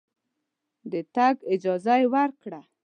د تګ اجازه یې ورکړه.